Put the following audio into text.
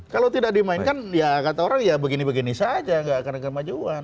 kalau tidak dimainkan ya kata orang ya begini begini saja nggak akan kemajuan